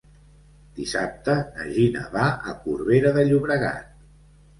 Dissabte na Gina va a Corbera de Llobregat.